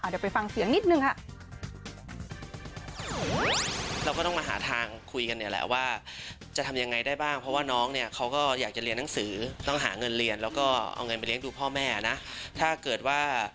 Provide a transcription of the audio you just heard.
เดี๋ยวไปฟังเสียงนิดนึงค่ะ